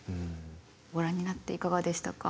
ご覧になっていかがでしたか？